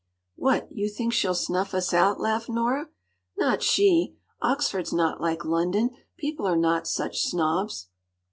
“What—you think she’ll snuff us out?” laughed Nora. “Not she! Oxford’s not like London. People are not such snobs.